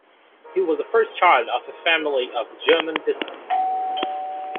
He was the first child of a family of German descent.